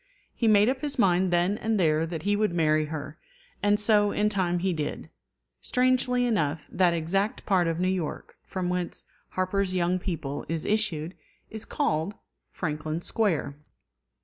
He made up his mind then and there that he would marry her; and so in time he did. Strangely enough, that exact part of New York from whence Harper's Young People is issued is called Franklin Square.